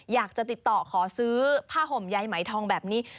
อยากจะติดต่อขอซื้อผ้าห่มใยไหมทองแบบนี้